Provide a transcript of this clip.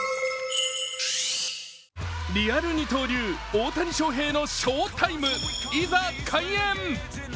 リアル二刀流、大谷翔平の翔タイムいざ開演。